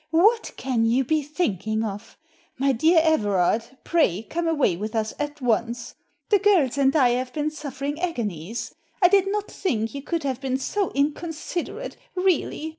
" What can you be thinking of? My dear Everard, pray come away with us at once. The girls and I have been suffering agonies; I did not think you could have been so inconsiderate, really.